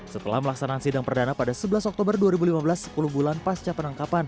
setelah melaksanakan sidang perdana pada sebelas oktober dua ribu lima belas sepuluh bulan pasca penangkapan